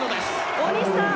大西さん